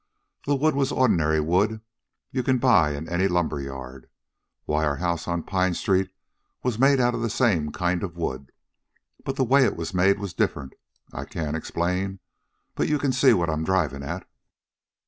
The wood was ordinary wood you can buy in any lumber yard. Why, our house on Pine street was made out of the same kind of wood. But the way it was made was different. I can't explain, but you can see what I'm drivin' at."